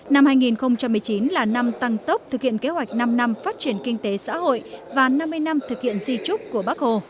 năm hai nghìn một mươi chín là năm tăng tốc thực hiện kế hoạch năm năm phát triển kinh tế xã hội và năm mươi năm thực hiện di trúc của bác hồ